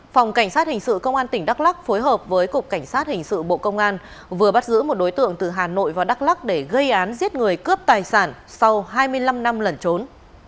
phòng cảnh sát hình sự công an tỉnh đắk lắc phối hợp với cục cảnh sát hình sự bộ công an vừa bắt giữ một đối tượng từ hà nội vào đắk lắc để gây án giết người cướp tài sản sau hai mươi năm năm lẩn trốn